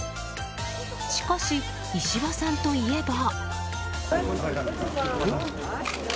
しかし、石破さんといえば。